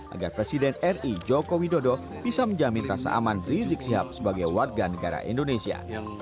agar presiden ri joko widodo bisa menjamin rasa aman rizik sihab sebagai warga negara indonesia